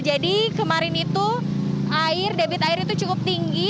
jadi kemarin itu debit air itu cukup tinggi